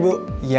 aku mau ke rumah